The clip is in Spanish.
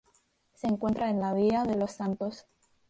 Se encuentra en la Villa de Los Santos.